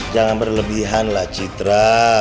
jangan berlebihan lah citra